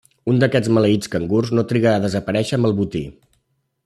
Un d'aquests maleïts cangurs no triga a desaparèixer amb el botí.